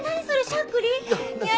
しゃっくり？いや。